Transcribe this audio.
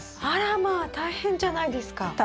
あらまあ大変じゃないですか。